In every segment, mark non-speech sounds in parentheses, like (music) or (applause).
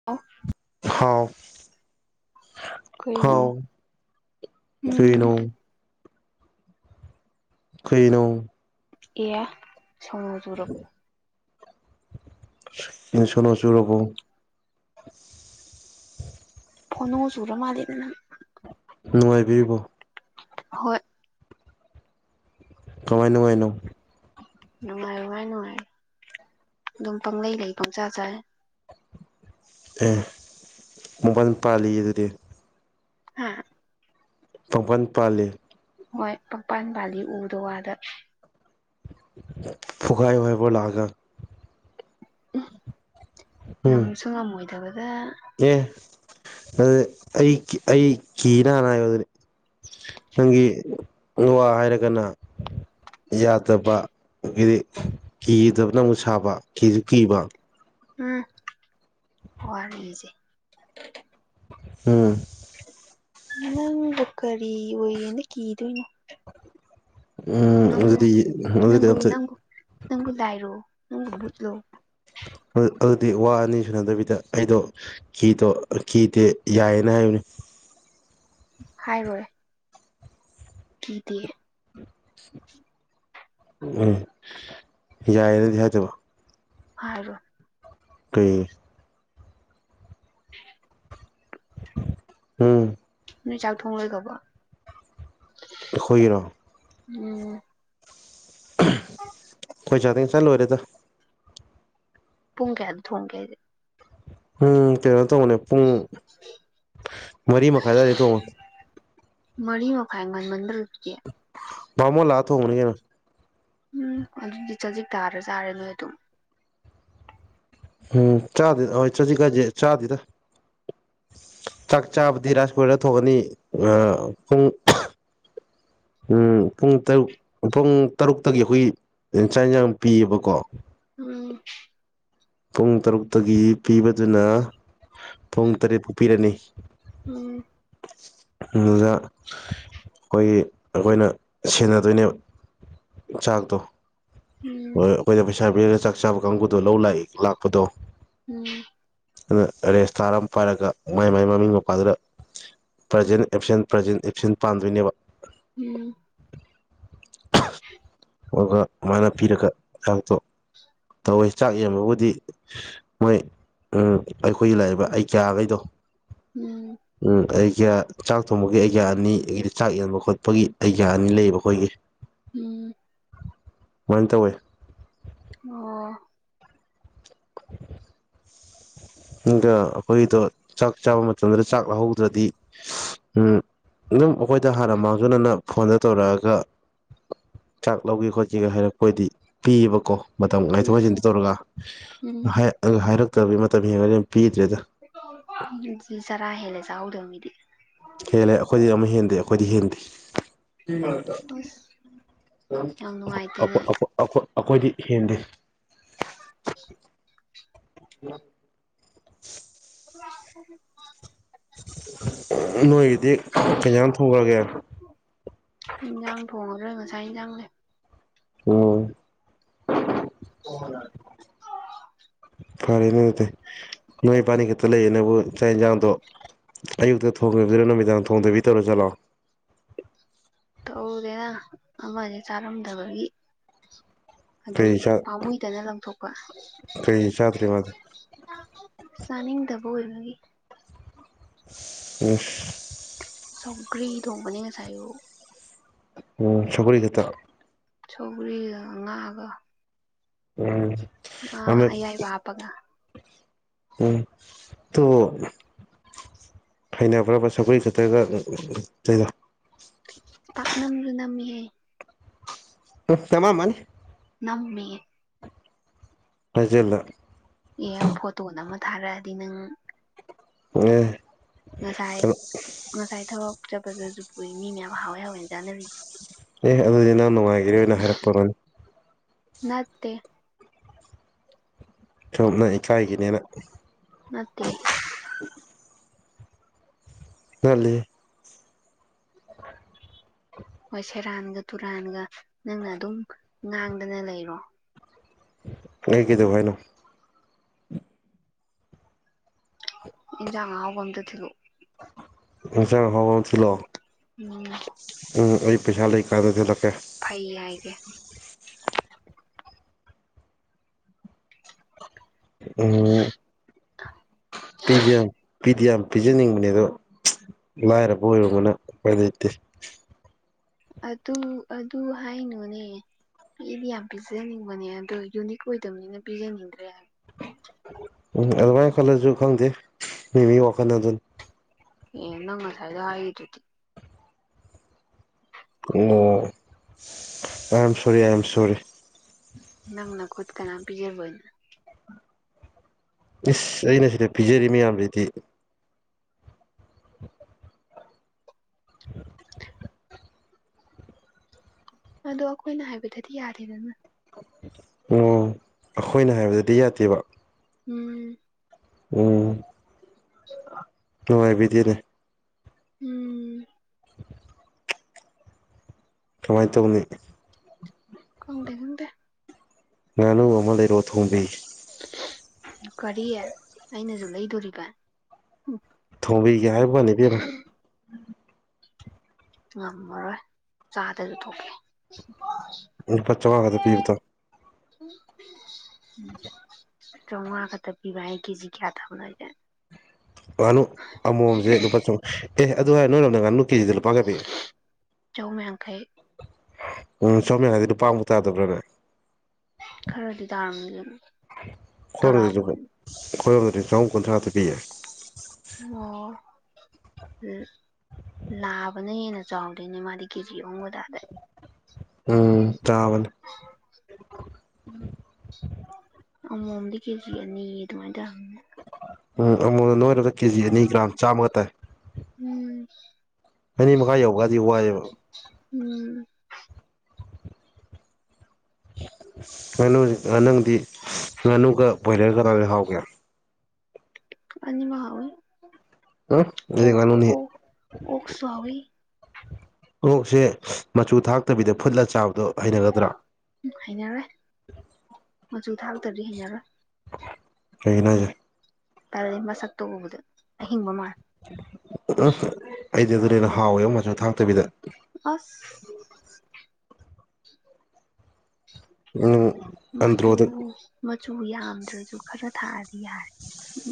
(unintelligible) ꯊꯥꯎ ꯍꯥꯎ ꯀꯩꯅꯣ ꯎꯝ ꯀꯔꯤꯅꯣ ꯀꯩꯅꯣ ꯑꯦ ꯁꯣꯅꯣ ꯆꯨꯔ ꯁꯣꯅꯣ ꯆꯨꯔꯕꯣ ꯐꯣꯅꯣ ꯆꯨꯔꯕ ꯃꯥꯜꯂꯦꯗ ꯅꯪ ꯅꯨꯡꯉꯥꯏꯕꯤꯔꯤꯕꯣ ꯍꯣꯏ ꯀꯃꯥꯏꯅ ꯅꯨꯡꯉꯥꯏꯅꯣ ꯅꯨꯡꯉꯥꯏ ꯅꯨꯡꯉꯥꯏ ꯅꯨꯡꯉꯥꯏꯔ ꯑꯗꯨꯝ ꯄꯪꯂꯪꯂꯩ ꯂꯩ ꯄꯪꯆꯥ ꯆꯥꯏ ꯑꯦ ꯃꯨꯡꯄꯜ ꯄꯥꯜꯂꯤ ꯑꯗꯨꯗꯤ ꯍꯥ ꯄꯪꯄꯥꯟ ꯄꯥꯜꯂꯤ ꯍꯣꯏ ꯄꯪꯄꯥꯟ ꯕꯥꯂꯤ ꯎꯗ ꯋꯥꯗ ꯐꯨꯒꯥꯏꯌꯣ ꯍꯥꯏꯕ꯭ꯔꯣ ꯂꯥꯛꯑꯒ ꯎꯝ ꯉꯝꯁꯨ ꯉꯝꯃꯣꯏꯗꯕꯗ ꯑꯦ ꯑꯗꯨꯗꯤ ꯑꯩ ꯑꯩ ꯀꯤꯅ ꯍꯥꯟꯅ ꯍꯥꯏꯌꯣ ꯑꯗꯨꯗꯤ ꯅꯪꯒꯤ ꯋꯥ ꯍꯥꯏꯔꯒꯅ ꯌꯥꯗꯕ ꯑꯗꯤ ꯀꯤꯗꯕꯅ ꯑꯃꯨꯛ ꯁꯥꯕ ꯀꯤꯁꯨ ꯀꯤꯕ ꯎꯝ ꯋꯥꯔꯁꯦ ꯎꯝ ꯅꯪꯕꯨ ꯀꯔꯤ ꯑꯣꯏꯌꯦꯅ ꯀꯤꯗꯨꯏꯅꯣ ꯎꯝ ꯅꯪꯕꯨ ꯑꯗꯨꯗꯤ ꯑꯗꯨꯗꯤ ꯅꯪꯕꯨ ꯑꯝꯇ ꯅꯪꯕꯨ ꯅꯪꯕꯨ ꯂꯏꯔꯣ ꯅꯪꯕꯨ ꯕꯨꯠꯂꯣ ꯑꯗꯨ ꯑꯗꯨꯗꯤ ꯋꯥ ꯑꯅꯤ ꯁꯨꯅꯗꯕꯤꯗ ꯑꯩꯗꯣ ꯀꯤꯇꯣ ꯀꯤꯇꯦ ꯌꯥꯏꯅ ꯍꯥꯌꯨꯅꯦ ꯍꯥꯏꯔꯣꯏ ꯀꯤꯇꯦ ꯎꯝ ꯌꯥꯄꯗꯤ ꯍꯥꯏꯗꯕ ꯍꯥꯏꯔꯣꯏ ꯀꯔꯤ ꯎꯝ ꯅꯣꯏ ꯆꯥꯛ ꯊꯣꯡ ꯂꯣꯏꯒꯔꯥꯕꯣ ꯑꯈꯣꯏꯒꯤꯔꯣ ꯎꯝ ꯑꯈꯣꯏ ꯆꯥꯛꯗꯤ ꯉꯁꯥꯏꯅ ꯂꯣꯏꯔꯦꯗ ꯄꯨꯡ ꯀꯌꯥꯗ ꯊꯣꯡꯒꯦ ꯍꯥꯏꯖꯦ ꯄꯨꯡ ꯀꯩꯅꯣ ꯇꯧꯕꯅꯦ ꯄꯨꯡ ꯃꯔꯤ ꯃꯈꯥꯏ ꯑꯗꯋꯥꯏꯗꯩ ꯇꯣꯡꯕꯅꯦ ꯃꯔꯤ ꯃꯈꯥꯏ ꯉꯟꯃꯟꯗꯔꯣ ꯑꯗꯨꯗꯤ ꯕꯃꯣꯜ ꯂꯥꯛꯑꯥ ꯊꯣꯡꯕꯅꯤꯏ ꯀꯩꯅꯣ ꯎꯝ ꯑꯗꯨꯗꯤ ꯆꯖꯤꯛ ꯇꯥꯔ ꯆꯥꯔꯦ ꯅꯣꯏ ꯑꯗꯨꯝ ꯎꯝ ꯆꯥꯗꯦ ꯍꫭꯏ ꯆꯥꯖꯤꯛ ꯍꯥꯏꯖꯦ ꯆꯥꯗꯦꯗ ꯆꯥꯛ ꯆꯥꯕꯗꯤ ꯔꯥꯏꯁ ꯀꯨꯀ꯭ꯔꯗ ꯊꯣꯡꯉꯅꯤ ꯑꯥ ꯄꯨꯡ ꯑꯝ ꯄꯨꯡ ꯇꯔꯨꯛ ꯄꯨꯡ ꯇꯔꯨꯛꯇꯒꯤ ꯍꯨꯏ ꯆꯥꯛ ꯏꯟꯁꯥꯡ ꯄꯤꯌꯦꯕꯀꯣ ꯎꯝ ꯄꯨꯡ ꯇꯔꯨꯛꯇꯒꯤ ꯄꯤꯕꯗꯨꯅ ꯄꯨꯡ ꯇꯔꯦꯠ ꯐꯥꯎ ꯄꯤꯔꯅꯤ ꯎꯝ ꯑꯗꯨꯗ ꯑꯩꯈꯣꯏꯒꯤ ꯑꯩꯈꯣꯏꯅ ꯁꯦꯟꯅꯗꯣꯏꯅꯦꯕ ꯆꯥꯛꯇꯣ ꯎꯝ ꯍꯣꯏ ꯑꯩꯈꯣꯏꯗ ꯄꯩꯁꯥ ꯄꯤꯔꯒ ꯆꯥꯛ ꯆꯥꯕ ꯀꯥꯡꯕꯨꯗꯣ ꯂꯧ ꯂꯥꯛꯏ ꯂꯥꯛꯄꯗꯣ ꯎꯝ ꯑꯗꯨ ꯔꯦꯖꯤꯁꯇꯥꯔ ꯑꯃꯥ ꯄꯥꯏꯔꯒ ꯃꯥꯏ ꯃꯥꯏ ꯃꯃꯤꯡ ꯃꯄꯥꯗꯨꯗ ꯄ꯭ꯔꯖꯦꯟ ꯑꯦꯞꯁꯦꯟ ꯄ꯭ꯔꯖꯦꯟ ꯑꯦꯞꯁꯦꯟ ꯄꯥꯟꯗꯣꯏꯅꯦꯕ ꯎꯝ (inaudible) ꯑꯗꯨꯒ ꯃꯥꯅ ꯄꯤꯔꯒ ꯆꯥꯛꯇꯣ ꯇꯧꯋꯦ ꯆꯥꯛ ꯌꯦꯟꯕꯕꯨ ꯗꯤ ꯃꯣꯏ ꯎꯝ ꯑꯩꯈꯣꯏꯒꯤ ꯂꯥꯛꯏꯕ ꯑꯩꯒꯌꯥꯈꯩꯗꯣ ꯎꯝ ꯎꯝ ꯑꯩꯒꯤꯌꯥ ꯆꯥꯛ ꯊꯣꯡꯕꯒꯤ ꯑꯩꯒꯤꯌꯥ ꯑꯅꯤ ꯑꯗꯥꯒꯤꯗꯤ ꯆꯥꯛ ꯌꯦꯟꯕ ꯈꯣꯠꯄꯒꯤ ꯑꯩꯒꯤꯌꯥ ꯑꯅꯤ ꯂꯩ ꯃꯈꯣꯏꯒꯤ ꯎꯝ ꯑꯗꯨꯃꯥꯏ ꯇꯧꯋꯦ ꯑꯣ (inaudible) ꯑꯗꯣ ꯑꯩꯈꯣꯏꯗꯣ ꯆꯥꯛ ꯆꯥꯕ ꯃꯇꯝꯗꯨꯗ ꯆꯥꯛ ꯂꯧꯍꯧꯗ꯭ꯔꯗꯤ ꯎꯝ ꯑꯗꯨꯝ ꯑꯩꯈꯣꯏꯗ ꯍꯥꯟꯅ ꯃꯥꯡꯖꯧꯅꯅ ꯐꯣꯟꯗ ꯇꯧꯔꯛꯑꯒ ꯆꯥꯛ ꯂꯧꯒꯦ ꯈꯣꯠꯀ‌ꯦꯒꯥ ꯍꯥꯏꯔꯛꯄ ꯑꫭꯏꯗꯤ ꯄꯤꯕꯀꯣ ꯃꯇꯝ ꯉꯥꯏꯊꯣꯛ ꯎꯝ ꯉꯥꯏꯁꯤꯟꯗꯤ ꯇꯧꯔꯒ ꯎꯝ ꯑꯗꯨ ꯍꯥꯏꯔꯛꯇ꯭ꯔꯥꯗꯤ ꯃꯇꯝ ꯍꯦꯟꯂꯗꯤ ꯄꯤꯗ꯭ꯔꯦꯗꯥ ꯑꯗꯨꯗꯤ ꯆꯔꯥ ꯍꯦꯜꯂꯦ ꯆꯍꯧꯗꯕ ꯃꯤꯗꯤ ꯍꯦꯜꯂꯦ ꯑꯩꯈꯣꯏꯗꯤ ꯑꯃꯛ ꯍꯦꯟꯗꯦ ꯑꯩꯈꯣꯏꯗꯤ ꯍꯦꯟꯗꯦ ꯑꯁ ꯌꯥꯝ ꯅꯨꯡꯉꯥꯏꯇꯦꯅꯦ ꯑꯩꯈꯣꯏꯗꯤ ꯍꯦꯟꯗꯦ (inaudible) (unintelligible) ꯅꯣꯏꯒꯤꯗꯤ ꯀꯩꯏꯟꯖꯥꯡ ꯊꯣꯡꯉꯒꯦ ꯏꯟꯖꯥꯡ ꯊꯣꯡꯗ꯭ꯔ‌ꯦ ꯉꯁꯥꯏ ꯏꯟꯁꯥꯡ ꯂꯩ ꯎꯝ ꯐꯔꯦꯅꯦ ꯑꯗꯨꯗꯤ ꯅꯣꯏ ꯄꯅꯤ ꯈꯠ ꯇꯂꯩꯌꯦꯅꯦꯕꯨ ꯆꯥꯛ ꯌꯦꯟꯁꯥꯡꯗꯣ ꯑꯌꯨꯛꯇ ꯊꯣꯡꯈꯤꯕꯗꯨꯅ ꯅꯨꯃꯤꯗꯥꯡ ꯊꯣꯡꯗꯕꯤ ꯇꯧꯔ ꯖꯥꯠꯂꯣ ꯇꯧꯗꯦꯗ ꯑꯃꯖꯦ ꯆꯥꯔꯝꯗꯕꯒꯤ ꯑꯗꯨꯝ ꯀꯩ ꯄꯥꯝꯃꯨꯏꯗꯅ ꯂꯪꯊꯣꯛꯄ ꯀꯩ ꯆꯥꯗ꯭ꯔꯤ ꯃꯥꯗꯤ ꯆꯥꯅꯤꯡꯗꯕ ꯑꯣꯏꯕꯒꯤ ꯏꯁ ꯁꯧꯒ꯭ꯔꯤ ꯊꯣꯡꯕꯅꯦ ꯉꯁꯥꯏ ꯑꯌꯨꯛ ꯎꯝ ꯁꯧꯒ꯭ꯔꯤ ꯈꯛꯇ ꯁꯧꯒ꯭ꯔꯤꯒ ꯉꯥꯒ ꯎꯝ ꯉꯥ ꯑꯃꯦꯠ ꯑꯌꯥꯏꯕ ꯍꯥꯞꯄꯒ ꯎꯝ ꯇꯣ ꯍꯩꯅꯕ꯭ꯔꯥꯕ ꯁꯧꯒ꯭ꯔꯤ ꯈꯛꯇꯒ ꯑ ꯑ ꯆꯔꯤꯗ‌ꯣ ꯄꯥꯛꯅꯝꯁꯨ ꯅꯝꯃꯤꯍꯦ ꯎꯝ ꯅꯝꯃꯝꯃꯥꯅꯤ ꯅꯝꯃꯦ ꯍꯥꯏꯖꯤꯜꯂꯣ ꯑꯦ ꯐꯣꯇꯣ ꯅꯝꯃ ꯊꯥꯔꯛꯑꯗꯤ ꯅꯪ ꯉ‌ꯦ ꯉꯁꯥꯏ ꯉꯁꯥꯏ ꯊꯕꯛ ꯆꯠꯄꯗꯁꯨ ꯄꯨꯏ ꯃꯤ ꯃꯌꯥꯝ ꯍꯥꯎꯋꯦ ꯍꯥꯎꯋꯦꯅ ꯆꯥꯅꯔꯤꯅꯤ ꯑꯦ ꯑꯗꯨꯗꯤ ꯅꯪ ꯅꯨꯡꯉꯥꯏꯈꯤꯔ‌ꯣꯏꯅ ꯍꯥꯏꯔꯛꯄ ꯑ‌ꯣꯏꯔꯝꯒꯅꯤ ꯅꯠꯇꯦ ꯆ‌ꯣꯞꯅ ꯏꯀꯥꯏꯒꯤꯅꯦꯅ ꯅꯠꯇꯦ ꯅꯠꯂꯤ ꯍꯣꯏ ꯁꯦꯔꯥꯟꯒ ꯇꯨꯔꯥꯟꯒ ꯅꯪꯅ ꯑꯗꯨꯝ ꯉꯥꯡꯗꯅ ꯂꯩꯔꯣ ꯑ‌ꯩ ꯀꯩꯗꯧ ꯍꯥꯏꯅꯣ ꯏꯟꯖꯥꯡ ꯑꯍꯥꯎꯕ ꯑꯝꯇ ꯊꯤꯜꯂꯛꯑ‌ꯣ ꯏꯟꯖꯥꯡ ꯑꯍꯥꯎꯕ ꯑꯃ ꯊꯤꯜꯂꯛꯑ‌ꯣ ꯎꯝ ꯎꯝ ꯑꯩ ꯄꯩꯁꯥ ꯂꯩ ꯀꯥꯟꯗ ꯊꯤꯜꯂꯛꯀꯦ ꯐꯩ ꯍꯥꯏꯒꯦ ꯎꯝ ꯄꯤꯖ ꯄꯤꯗꯤ ꯌꯥꯝ ꯄꯤꯖꯅꯤꯡꯕꯅꯦ ꯑꯗꯣ ꯂꯥꯏꯔꯕ ꯑꯣꯏꯔꯨꯕꯅ ꯎꯄꯥꯏ ꯂꯩꯇꯦ ꯑꯗꯨ ꯑꯗꯨ ꯍꯥꯏꯅꯨꯅꯦ ꯄꯤꯗꯤ ꯌꯥꯝ ꯄꯤꯖꯅꯤꯡꯕꯅꯦ ꯑꯗꯣ ꯌꯨꯅꯤꯛ ꯑꯣꯏꯗꯕꯅꯤꯅ ꯄꯤꯖꯅꯤꯡꯗ꯭ꯔꯦ ꯍꯥꯏꯌ‌ꯣ ꯎꯝ ꯑꯗꯨꯃꯥꯏꯅ ꯈꯜꯂꯁꯨ ꯈꯪꯗꯦ ꯃꯤ ꯃꯤ ꯋꯥꯈꯜ ꯍꯥꯏꯗꯨꯅ‌ꯦ ꯑꯦ ꯅꯪ ꯉꯁꯥꯏꯅ ꯍꯥꯏꯔꯤꯗꯨꯗꯤ ꯑꯣ ꯑꯥꯏ am sorry I am sorry ꯅꯪ ꯅꯈꯨꯠ ꯀꯅꯥꯝ ꯄꯤꯖꯔ‌ꯣꯏ ꯏꯁ ꯑꯩꯅ ꯁꯤꯗ ꯄꯤꯖꯔꯤ ꯃꯌꯥꯝꯁꯤꯗꯤ ꯑꯗꯣ ꯑꯩꯈꯣꯏꯅ ꯍꯥꯏꯕꯗꯗꯤ ꯌꯥꯗ‌ꯦꯗꯅ ꯑꯣ ꯑꯩꯈꯣꯏꯅ ꯍꯥꯏꯕꯗꯗꯤ ꯌꯥꯗꯦꯕ ꯎꯝ ꯎꯝ ꯅꯨꯡꯉꯥꯏꯕꯤꯗ‌ꯦꯅ‌ꯦ ꯎꯝ ꯀꯃꯥꯏ ꯇꯧꯅꯤ ꯈꯪꯗꯦ ꯈꯪꯗꯦ ꯉꯥꯅꯨ ꯑꯃ ꯂꯩꯔꯛꯑ‌ꯣ ꯊꯣꯡꯕꯤꯒ‌ꯦ ꯀꯔꯤ‌ ꯑꯩꯅꯁꯨ ꯂꯩꯗꯣꯔꯤꯕ ꯎꯝ ꯊꯣꯡꯕꯤꯒꯦ ꯍꯥꯏꯕ ꯋꯥꯅꯤ ꯏꯕ‌ꯦꯝꯃ ꯉꯝꯃꯔꯣꯏ ꯆꯥꯗꯁꯨ ꯇ‌ꯣꯛꯀꯦ ꯂꯨꯄꯥ ꯆꯧꯉꯥ ꯈꯤꯇ ꯄꯤꯌꯨꯗ (inaudible) ꯆꯧꯉꯥ ꯈꯇ ꯄꯤꯕ ꯍꯥꯏ ꯀꯦꯖꯤ ꯀ꯭ꯌꯥ ꯊꯕꯅꯣ ꯍꯥꯏꯖꯦ ꯉꯥꯅꯨ ꯑꯃꯣꯝꯖꯦ ꯂꯨꯄꯥ ꯆꯧ ꯑꯦ ꯑꯗꯨ ꯍꯥꯏꯔ ꯅꯣꯏꯔꯣꯝꯗ ꯉꯥꯅꯨ ꯀꯦꯖꯤꯗ ꯂꯨꯄꯥ ꯀ꯭ꯌꯥ ꯄꯤ ꯆꯍꯨꯝ ꯌꯥꯡꯈꯩ ꯎꯝ (unintelligible) ꯂꯨꯄꯥꯝꯐꯧ ꯇꯥꯗꯕ꯭ꯔꯅꯦ ꯈꯔꯗꯤ ꯇꯥꯔꯝꯅꯤ ꯗꯨꯝ ꯈꯣꯏꯔꯣꯝꯗꯗꯤ ꯂꯨꯞ ꯈꯣꯏꯔꯣꯝꯗꯗꯤ ꯆꯍꯨꯝ ꯀꯨꯟꯊ꯭ꯔꯥꯗ ꯄꯤꯌꯦ ꯑꯣ ꯎꯝ ꯂꯥꯕꯅ ꯍꯦꯟꯅ ꯆꯥꯎꯗꯣꯏꯅꯦ ꯃꯥꯗꯤ ꯀꯦꯖꯤ ꯑꯍꯨꯝꯒ ꯇꯗꯥꯏ ꯎꯝ ꯇꯥꯕꯅꯦ ꯑꯃꯣꯝꯗꯤ ꯀꯦꯖꯤ ꯑꯅꯤ ꯗꯨꯃꯥꯏ ꯇꯥꯔꯝꯅꯤ ꯎꯝ ꯑꯃꯣꯝꯅ ꯅꯣꯏꯔꯒ ꯀꯦꯖꯤ ꯑꯅꯤꯒ꯭ꯔꯥꯝ ꯆꯥꯝꯃꯒ ꯇꯥꯏ ꯎꯝ ꯑꯅꯤ ꯃꯈꯥꯏ ꯌꯧꯕꯒꯗꯤ ꯋꯥꯏꯌꯦꯕ ꯎꯝ ꯉꯥꯅꯨ ꯑꯥ ꯅꯪꯗꯤ ꯉꯥꯅꯨꯒ ꯕꯣꯏꯂꯔꯒ ꯀꯅꯥ ꯍꯦꯟ ꯍꯥꯎꯒꯦ ꯑꯅꯤꯃꯛ ꯍꯥꯎꯏ ꯎꯝ ꯑꯣ ꯑꯩꯗꯤ ꯉꯥꯅꯨꯅꯤ ꯑꯣ ꯑꯣꯛꯁꯨ ꯍꯥꯎꯏ ꯑꯣꯛ ꯁꯦ ꯃꯆꯨ ꯊꯥꯛꯇꯕꯤꯗ ꯐꯨꯠꯂ ꯆꯥꯕꯗꯣ ꯍꯩꯅꯒꯗ꯭ꯔꯥ ꯎꯝ ꯍꯩꯅꯔꯣꯏ ꯃꯆꯨ ꯊꯥꯛꯇꯔꯗꯤ ꯍꯩꯅꯔꯣꯏ ꯀꯩꯒꯤꯅꯣ ꯍꯥꯏꯖꯦ ꯇꯜꯂꯤ ꯃꯁꯛꯇꯣ ꯎꯕꯗ ꯑꯍꯤꯡꯕ ꯃꯥꯜ ꯎꯝ ꯑꯩꯗꯤ ꯑꯗꯨꯅ ꯍꯦꯟꯅ ꯍꯥꯎꯏꯉꯣ ꯃꯆꯨ ꯊꯥꯛꯇꯕꯤꯗ ꯑꯁ ꯎꯝ ꯃꯆꯨ ꯑꯟꯗ꯭ꯔꯣꯗ ꯃꯆꯨ ꯌꯥꯝꯗ꯭ꯔꯖꯨ ꯈꯔ ꯊꯥꯛꯑꯗꯤ ꯌꯥꯔꯦ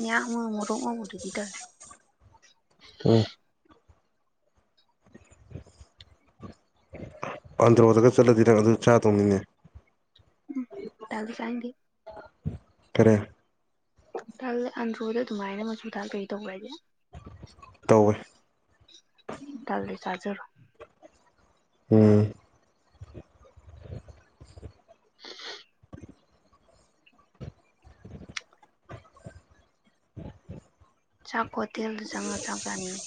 ꯌꯥꯝ ꯑꯃ ꯉꯧꯔꯣꯛ ꯉꯧꯕꯗꯨꯗꯤ ꯇꯜꯂꯦ ꯑꯦ (unintelligible) ꯑꯟꯗ꯭ꯔꯣꯗꯒ ꯆꯠꯂꯗꯤ ꯅꯪ ꯑꯗꯨ ꯆꯥꯗꯧꯅꯤꯅꯦ ꯇꯜꯂꯤ ꯆꯥꯅꯤꯡꯗꯦ ꯀꯔꯦ ꯇꯜꯂꯦ ꯑꯟꯗ꯭ꯔꯣꯗ ꯑꯗꯨꯃꯥꯏꯅ ꯃꯆꯨ ꯊꯥꯛꯇꯕꯤ ꯇꯧꯕ꯭ꯔ ꯍꯥꯏꯖꯦ ꯇꯧꯋꯦ ꯇꯜꯂꯤ ꯆꯥꯖꯔꯣꯏ ꯎꯝ (unintelligible) (unintelligible) ꯆꯥꯛ ꯍꯣꯇꯦꯜꯗ ꯆꯪꯉ ꯆꯥꯛ ꯆꯥꯅꯤꯡꯉꯤ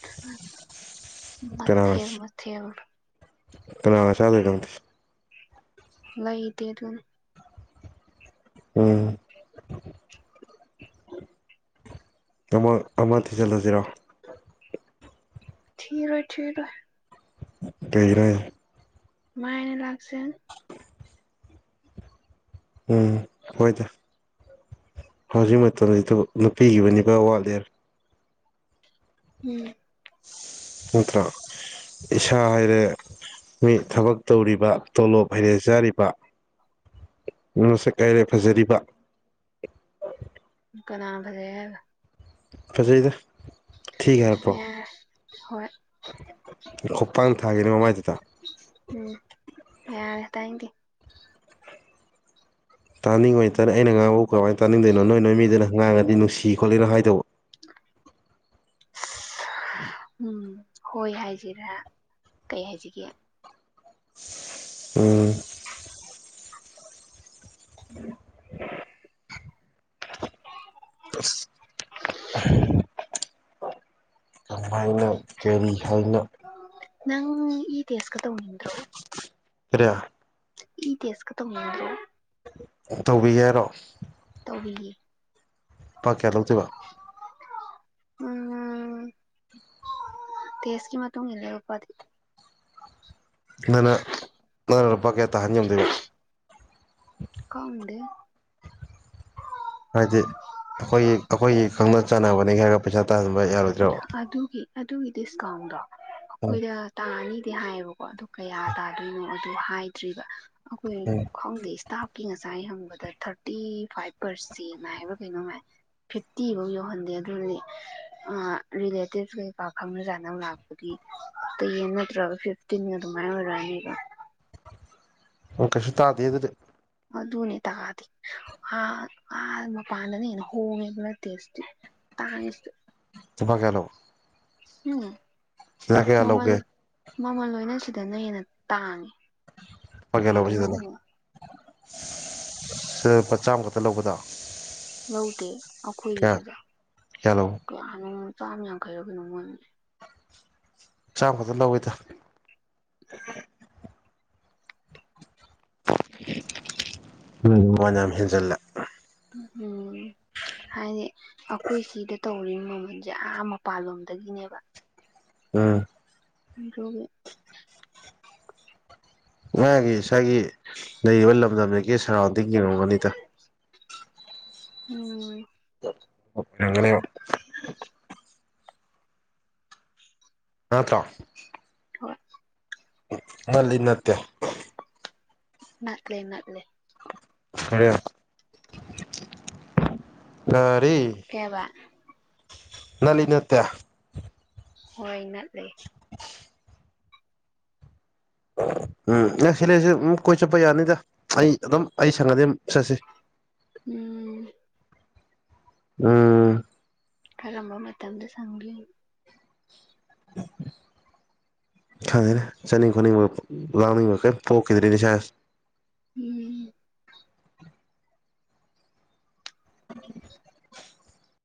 (unintelligible) ꯀꯅꯥ ꯃꯊꯦꯜ ꯃꯊꯦꯜ ꯀꯅꯥꯒ ꯆꯥꯗꯣꯏ ꯅꯪꯗꯤ ꯂꯩꯇꯦ ꯗꯨꯝ ꯎꯝ ꯑꯃ ꯑꯃ ꯊꯤꯖꯜꯂꯖꯤꯔꯣ ꯊꯤꯔꯣꯏ ꯊꯤꯔꯣꯏ (unintelligible) ꯀꯩꯒꯤꯅꯣ ꯍꯥꯏ ꯃꯥꯏꯅ ꯂꯥꯛꯆꯅꯤ (unintelligible) ꯎꯝ ꯍꯣꯏꯗ ꯍꯧꯖꯤꯛ ꯃꯇꯝꯖꯤꯗꯕꯨ ꯅꯨꯄꯤꯒꯤꯕꯨ ꯅꯤꯄꯥ ꯋꯥꯠꯂꯦꯔ ꯎꯝ ꯅꯠꯇ꯭ꯔꯣ ꯏꯁꯥ ꯍꯥꯏꯔꯦ ꯃꯤ ꯊꯕꯛ ꯇꯧꯔꯤꯕ ꯇꯣꯂꯣꯞ ꯍꯥꯢꯔꯦ ꯆꯥꯔꯤꯕ ꯅꯁꯛ ꯍꯥꯏꯔꯦ ꯐꯖꯔꯤꯕ ꯀꯅꯥꯅ ꯐꯖꯩ ꯍꯥꯏꯕ ꯐꯖꯩꯗ ꯊꯤ ꯍꯥꯏꯔꯛꯄ꯭ꯔꯣ ꯌꯥꯔꯦ ꯍꯣꯏ (unintelligible) ꯈꯨꯄꯥꯛꯅ ꯊꯥꯒꯦꯅꯦ ꯃꯃꯥꯏꯗꯨꯗ ꯎꯝ ꯌꯥꯔꯦ ꯇꯥꯢꯟꯇꯦ ꯇꯥꯅꯤꯡꯉꯣꯏ ꯇꯥꯅ ꯑꯩꯅ ꯉꯥꯡꯕꯕꯨ ꯀꯃꯥꯏꯟ ꯇꯥꯅꯤꯡꯗꯣꯏꯅꯣ ꯅꯣꯏ ꯅꯣꯏ ꯃꯤꯗꯨꯅ ꯉꯥꯡꯉꯗꯤ ꯅꯨꯡꯁꯤ ꯈꯣꯠꯂꯤꯅ ꯍꯥꯏꯗꯧꯕ (unintelligible) (unintelligible) ꯑꯁ ꯎꯝ ꯍꯣꯏ ꯍꯥꯏꯁꯤꯔꯥ ꯀꯩ ꯍꯥꯏꯁꯤꯒꯦ ꯎꯝ (unintelligible) ꯀꯝꯍꯥꯏꯅ ꯀꯔꯤ ꯍꯥꯏꯅ (unintelligible) ꯅꯪ ꯏ ꯇꯦꯁꯀ ꯇꯧꯅꯤꯡꯗ꯭ꯔꯣ ꯀꯔꯤ ꯏ ꯇꯦꯁ ꯀ ꯇꯧꯅꯤꯡꯗ꯭ꯔꯣ ꯇꯧꯕꯤꯒꯦ ꯍꯥꯏꯔꯣ ꯇꯧꯕꯤꯒꯦ ꯂꯨꯄꯥ ꯀ꯭ꯌꯥ ꯂꯧꯗꯣꯏꯕ (unintelligible) ꯃꯉꯥ (unintelligible) ꯇꯦꯁꯀꯤ ꯃꯇꯨꯡ ꯏꯜꯂꯦ ꯂꯨꯄꯥꯗꯤ ꯅꯪꯅ ꯅꯪꯅ ꯂꯨꯄꯥ ꯀ꯭ꯌꯥ ꯇꯥꯍꯟ ꯉꯝꯗꯣꯏꯕ ꯈꯪꯗꯦ ꯍꯥꯏꯗꯤ ꯑꯩꯈꯣꯏ ꯑꯩꯈꯣꯏꯒꯤ ꯈꯪꯅ ꯆꯥꯟꯅꯕꯅꯤ ꯀꯥꯏ ꯄꯩꯁꯥ ꯇꯥꯍꯟꯕ ꯌꯥꯔꯣꯏ ꯑꯗꯨꯒꯤ ꯑꯗꯨꯒꯤ ꯗꯤꯁꯀꯥꯎꯟꯗꯣ ꯎꯝ ꯑꯩꯈꯣꯏꯗ ꯇꯥꯅꯤ ꯗꯤ ꯍꯥꯏꯌꯦꯕꯀꯣ ꯑꯗꯨ ꯀꯌꯥ ꯇꯥꯗꯣꯏꯅꯣ ꯑꯗꯨ ꯍꯥꯏꯗ꯭ꯔꯤꯕ ꯑꯈꯣꯏ ꯎꯝ ꯈꯪꯗꯦ ꯁ꯭ꯇꯥꯞꯀꯤ ꯉꯁꯥꯏ ꯍꯪꯕꯗ ꯊꯥꯔꯇꯤ ꯐꯥꯏꯚ ꯄꯔꯁꯦꯟ ꯍꯥꯏꯕ꯭ꯔ ꯀꯩꯅꯣꯝ ꯍꯥꯏ ꯐꯤꯐꯇꯤꯐꯧ ꯌꯧꯍꯟꯗꯦ ꯑꯗꯨꯅꯤ (unintelligible) ꯔꯤꯂꯦꯇꯤꯞꯁ ꯀꯩꯀꯥ ꯈꯪꯅ ꯆꯥꯅꯕ ꯂꯥꯛꯄꯒꯤ ꯇꯦꯟ ꯅꯠꯇ꯭ꯔꯒ ꯐꯤꯞꯇꯤꯟꯒ ꯑꯗꯨꯃꯥꯏ ꯑꯣꯏꯔꯛꯑꯅꯤꯕ ꯑꯣ ꯀꯩꯁꯨ ꯇꯥꯗꯦ ꯑꯗꯨꯗꯤ ꯑꯗꯨꯅꯦ ꯇꯥꯗꯤ ꯑ ꯑꯥ ꯃꯄꯥꯟꯗꯅ ꯍꯦꯟꯅ ꯍꯣꯡꯉꯦ ꯕ꯭ꯂꯗ ꯇꯦꯁꯇꯤ ꯇꯥꯡꯉꯤ ꯁꯤꯗ ꯂꯨꯄꯥ ꯀ꯭ꯌꯥ ꯂꯧ ꯎꯝ ꯀꯌꯥ ꯃꯃꯜ ꯂꯧꯒꯦ ꯃꯃꯜ ꯂꯣꯏꯅ ꯁꯤꯗꯅ ꯍꯦꯟꯅ ꯇꯥꯡꯉꯤ ꯂꯨꯄꯥ ꯀ꯭ꯌꯥ ꯂꯧꯕ ꯁꯤꯗꯗꯤ (unintelligible) ꯂꯨꯄꯥ ꯆꯥꯝꯃ ꯈꯛꯇ ꯂꯧꯕꯗꯣ ꯂꯧꯗꯦ ꯀꯌꯥ ꯑꯩꯈꯣꯏꯒꯤꯗꯨꯗ ꯀꯌꯥ ꯂꯧꯕ ꯀ꯭ꯌꯥꯅꯣ ꯆꯥꯝ ꯌꯥꯡꯈꯩꯔ ꯀꯩꯅꯣꯝ ꯑꯣꯏꯕꯅꯤ ꯆꯥꯝ ꯈꯛꯇ ꯂꯧꯋꯤꯗ (unintelligible) (unintelligible) ꯑꯗꯨꯗꯝ ꯃꯃꯟ ꯌꯥꯝ ꯍꯦꯟꯖꯜꯂꯦ ꯎꯝ ꯍꯥꯏꯗꯤ ꯑꯩꯈꯣꯏ ꯁꯤꯗ ꯇꯧꯔꯤꯕ ꯃꯃꯜꯁꯦ ꯑꯥ ꯃꯄꯥꯟꯂꯣꯝꯗꯒꯤꯅꯦꯕ ꯎꯝ ꯑꯗꯨꯒꯤ (unintelligible) ꯁ꯭ꯋꯥꯏꯒꯤ ꯂꯩꯔꯤꯕ ꯂꯝꯗꯝꯁꯤꯒꯤ ꯁꯔꯥꯎꯟꯗꯤꯡ (unintelligible) ꯎꯝ (unintelligible) ꯅꯠꯇ꯭ꯔꯣ ꯍꯣꯏ ꯅꯠꯂꯤ ꯅꯠꯇꯦ ꯅꯠꯂꯦ ꯅꯠꯂꯦ ꯀꯔꯤ ꯀꯔꯤ ꯀꯩ ꯍꯥꯢꯕ ꯅꯠꯂꯤ ꯅꯠꯇꯦ ꯍꯣꯏ ꯅꯠꯂꯦ (inaudible) ꯎꯝ ꯅꯪ ꯁꯤꯂꯦꯁꯦ ꯑꯃꯨꯛ ꯀꯣꯏ ꯆꯠꯄ ꯌꯥꯅꯤꯗ ꯑꯩ ꯑꯗꯨꯝ ꯑꯩ ꯁꯪꯉꯗꯤ ꯆꯠꯁꯤ ꯎꯝ ꯎꯝ ꯀꯔꯝꯕ ꯃꯇꯝꯗ ꯁꯪꯒꯦ (inaudible) ꯈꯪꯗꯦꯗ ꯆꯥꯅꯤꯡ ꯈꯣꯠꯅꯤꯡꯕ ꯂꯥꯡꯅꯤꯡꯕ ꯀꯩꯝ ꯄꯣꯛꯈꯤꯗ꯭ꯔꯦꯅꯦ ꯢꯁꯥꯁꯦ ꯎꯝ ꯑꯦ ꯎꯝ